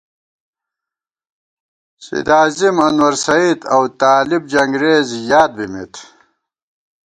سید عظیم، انورسید اؤ طالِب جنگرېز یاد بِمېت